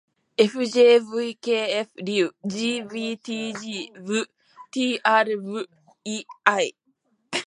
ｆｊｖｋｆ りう ｇｖｔｇ ヴ ｔｒ ヴぃ ｌ